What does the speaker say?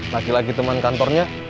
laki laki teman kantornya